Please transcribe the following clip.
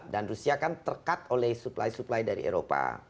dan rusia kan terkat oleh supply supply dari eropa